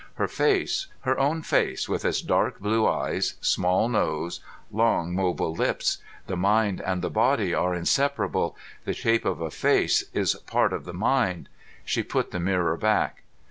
Her face ... her own face with its dark blue eyes, small nose, long mobile lips ... the mind and the body are inseparable; the shape of a face is part of the mind. She put the mirror back.